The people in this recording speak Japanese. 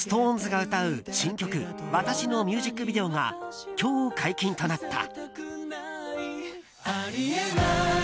ＳｉｘＴＯＮＥＳが歌う新曲「わたし」のミュージックビデオが今日、解禁となった。